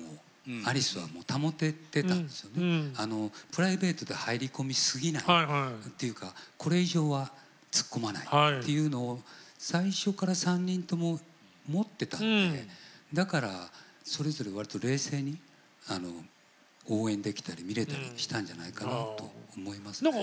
プライベートで入り込みすぎないというかこれ以上は突っ込まないというのを最初から３人とも持ってたんでだからそれぞれわりと冷静に応援できたり見れたりしたんじゃないかなと思いますね。